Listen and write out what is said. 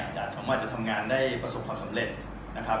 สามารถจะทำงานได้ประสบความสำเร็จนะครับ